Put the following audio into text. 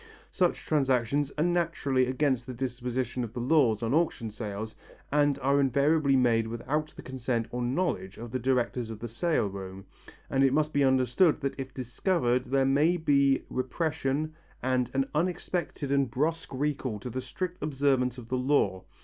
Such transactions are naturally against the disposition of the laws on auction sales, and are invariably made without the consent or knowledge of the directors of the sale room, and it must be understood that if discovered there may be repression and an unexpected and brusque recall to the strict observance of the law.